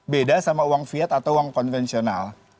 beda sama uang viet atau uang konvensional